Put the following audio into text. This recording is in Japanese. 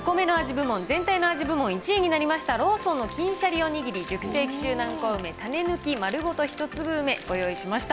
部門、全体の味部門１位になりました、ローソンの金しゃりおにぎり熟成紀州南高梅種抜きまるごと一粒梅、ご用意しました。